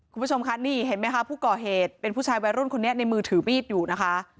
คุณผู้ชมค่ะนี่เห็นไหมคะผู้ก่อเหตุเป็นผู้ชายวัยรุ่นคนนี้ในมือถือมีดอยู่นะคะ